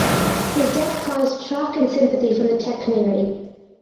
His death caused shock and sympathy from the tech community.